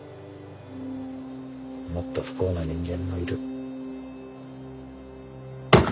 もっと不幸な人間もいる。